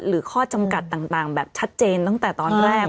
หรือข้อจำกัดต่างแบบชัดเจนตั้งแต่ตอนแรก